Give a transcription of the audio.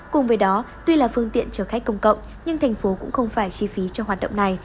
cùng với đó tuy là phương tiện chở khách công cộng nhưng thành phố cũng không phải chi phí cho hoạt động này